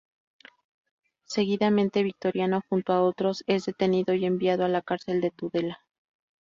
Seguidamente Victoriano junto a otros es detenido y enviado a la cárcel de Tudela.